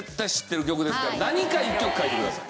何か一曲書いてください。